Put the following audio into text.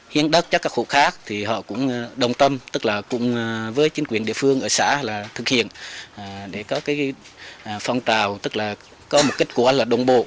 hiến đất cho các hộ khác thì họ cũng đồng tâm tức là cùng với chính quyền địa phương ở xã là thực hiện để có cái phong tàu tức là có mục đích của anh là đồng bộ